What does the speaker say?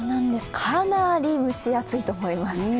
かなり蒸し暑いと思います。